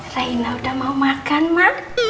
saina udah mau makan ma